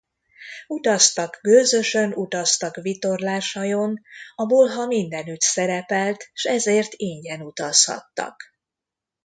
Utaztak gőzösön, utaztak vitorláshajón; a bolha mindenütt szerepelt, s ezért ingyen utazhattak.